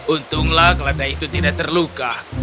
untunglah keledai itu tidak terluka